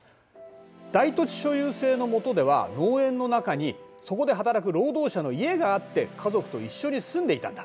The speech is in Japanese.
大土地所有制の下では農園の中にそこで働く労働者の家があって家族と一緒に住んでいたんだ。